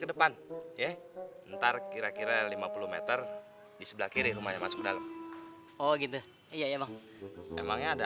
ke depan ya ntar kira kira lima puluh m di sebelah kiri rumahnya masuk ke dalam oh gitu iya iya emangnya ada